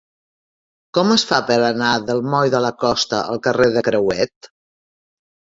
Com es fa per anar del moll de la Costa al carrer de Crehuet?